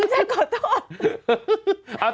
ฉันขอโทษ